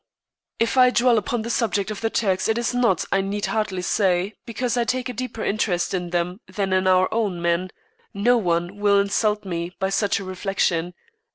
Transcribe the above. '" If I dwell upon the subject of the Turks it is not, I need hardly say, because I take a deeper interest in them than in our own men; no one will insult me by such a reflection.